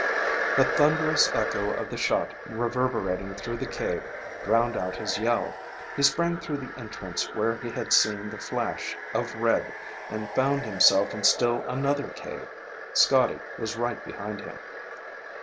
The thunderous echo of the shot reverberating through the cave drowned out his yell. He sprang through the entrance where he had seen the flash of red and found himself in still another cave. Scotty was right behind him.